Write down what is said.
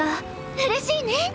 うれしいね。